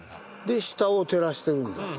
で下を照らしてるんだ。